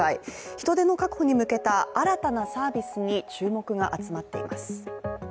人手の確保に向けた新たなサービスに注目が集まっています。